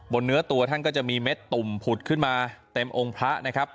เนื้อตัวท่านก็จะมีเม็ดตุ่มผุดขึ้นมาเต็มองค์พระนะครับ